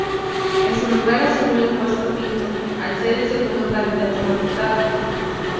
En su lugar asumió el puesto Pinto, al ser el segundo candidato más votado.